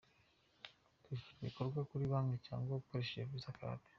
Kwishyura bikorwa kuri banki cyangwa ugakoresha Visa Card.